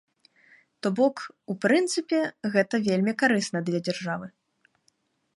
То бок, у прынцыпе, гэта вельмі карысна для дзяржавы.